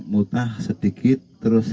mutah sedikit terus